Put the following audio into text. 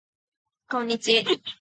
こんにち